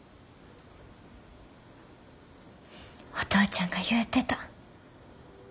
お父ちゃんが言うてた。